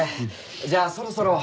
じゃあそろそろ。